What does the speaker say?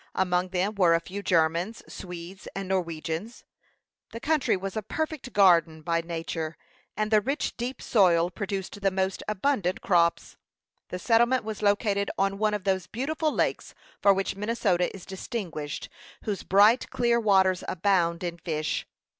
Among them were a few Germans, Swedes, and Norwegians. The country was a perfect garden by nature, and the rich, deep soil produced the most abundant crops. The settlement was located on one of those beautiful lakes for which Minnesota is distinguished, whose bright, clear waters abound in fish.